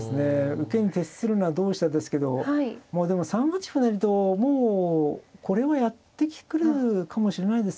受けに徹するのは同飛車ですけどまあでも３八歩成ともうこれはやってくるかもしれないです。